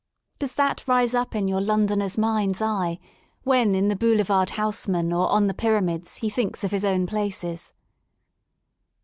Does that rise up in your Londoner's mind's eye, when, in the Boulevard Haussman, or on the Pyramids, he thinks of his own places?